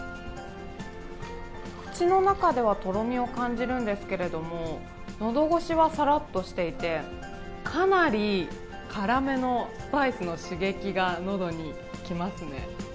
口の中ではとろみを感じるんですけれども、のど越しはさらっとしていて、かなり辛めのスパイスの刺激がのどにきますね。